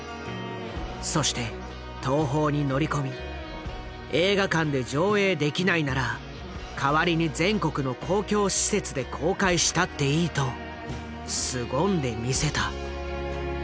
そして東宝に乗り込み「映画館で上映できないなら代わりに全国の公共施設で公開したっていい」とすごんでみせた。